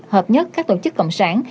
hợp nhất các tổ chức cộng sản